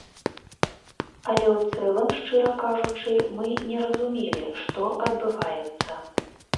Але ў цэлым, шчыра кажучы, мы не разумелі, што адбываецца.